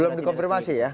belum dikomprimasi ya